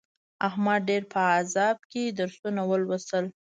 احمد ډېر په عذاب کې درسونه ولوستل.